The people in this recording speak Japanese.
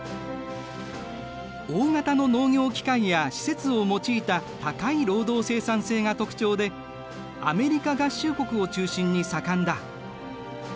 大型の農業機械や施設を用いた高い労働生産性が特徴でアメリカ合衆国を中心に盛んだ。